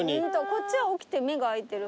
こっちは起きて目が開いてる。